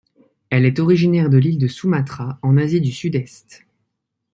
Elle est originaire de l’île de Sumatra en Asie du Sud-Est.